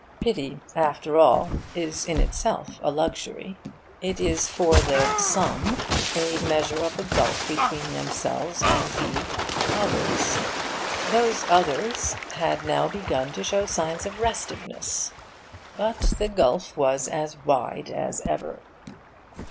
Pity, after all, is in itself a luxury. It is for the 'some' a measure of the gulf between themselves and the 'others.' Those others had now begun to show signs of restiveness; but the gulf was as wide as ever.